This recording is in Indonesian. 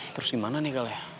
terus gimana nih kal ya